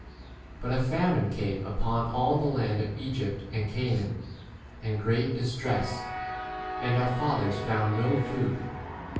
But a famine came upon all the land of Egypt and Canaan, and great distress, and our fathers 12 found no food.